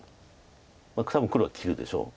多分黒は切るでしょう。